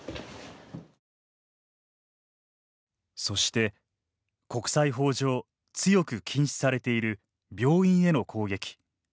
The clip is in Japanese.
そして、国際法上強く禁止されている病院への攻撃。